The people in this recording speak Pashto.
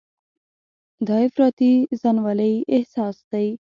دا افراطي ځانولۍ احساس دی.